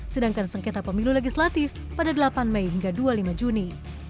sedangkan sengketa pemilu legislatif pada delapan mei hingga dua puluh lima juni